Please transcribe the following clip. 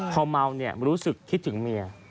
พอเมารู้สึกคิดถึงเมีย